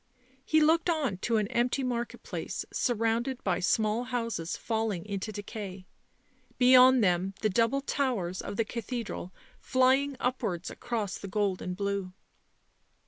He looked on to an empty market place surrounded by small houses falling into decay, beyond them the double towers of the Cathedral flying upwards across the gold and blue.